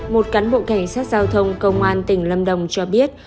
một cán bộ cảnh sát giao thông công an tỉnh lâm đồng cho biết